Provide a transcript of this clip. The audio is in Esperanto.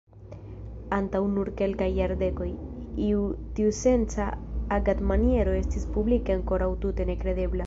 Antaŭ nur kelkaj jardekoj, iu tiusenca agadmaniero estis publike ankoraŭ tute nekredebla.